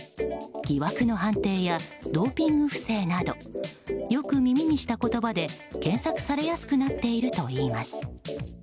疑惑の判定やドーピング不正などよく耳にした言葉で検索されやすくなっているといいます。